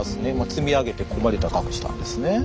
積み上げてここまで高くしたんですね。